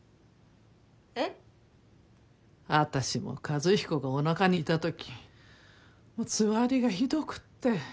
えっ？あたしも和彦がおなかにいたときもうつわりがひどくって。